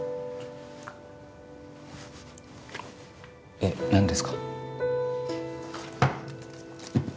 えっなんですか？